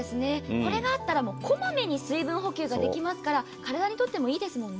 これがあったら、こまめに水分補給ができますから、体にとってもいいですもんね。